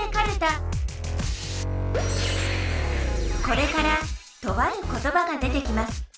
これからとあることばが出てきます。